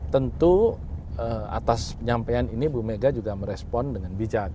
tentu atas penyampaian ini bu mega juga merespon dengan bijak